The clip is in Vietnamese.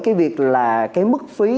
cái việc là cái mức phí